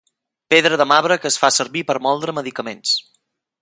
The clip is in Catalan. Pedra de marbre que es fa servir per moldre medicaments.